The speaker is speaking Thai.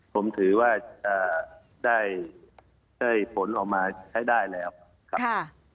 ผมถือว่าเอ่อได้ได้ผลออกมาให้ได้แล้วค่ะ